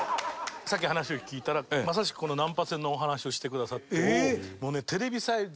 さっき話を聞いたらまさしくこの『難破船』のお話をしてくださってもうねテレビサイズ